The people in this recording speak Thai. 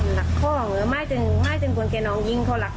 หลักข้องหลักข้องหรือไม่จึงไม่จึงคนแกน้องยิงเขาหลัก